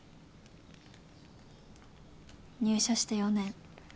入社して４年。